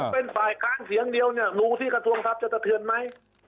ผมเป็นฝ่ายค้างเสียงเดียวเนี่ยหนูที่กระทรวงทรัพย์จะเถิดไหม